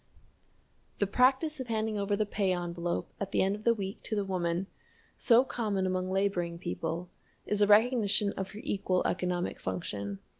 The practice of handing over the pay envelope at the end of the week to the woman, so common among laboring people, is a recognition of her equal economic function.